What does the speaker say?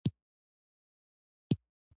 کابل د افغانستان یو خورا ارزښتناک طبعي ثروت دی.